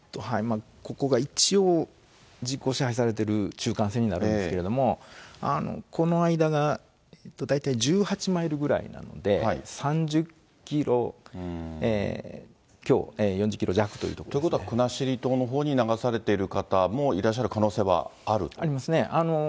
ここが一応、実効支配されている中間線になるんですけれども、この間が、大体１８マイルぐらいなので、３０キロ強、４０キロ弱ということですね。ということは国後島のほうに流されている方もいらっしゃる可ありますね。